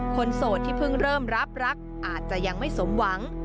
โสดที่เพิ่งเริ่มรับรักอาจจะยังไม่สมหวัง